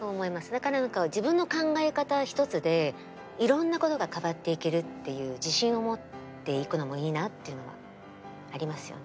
だから何か自分の考え方一つでいろんなことが変わっていけるっていう自信を持っていくのもいいなっていうのはありますよね。